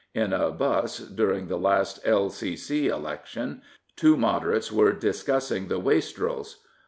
In a 'bus during the last L.C.C. election two Moderates were discussing the " Wastrels."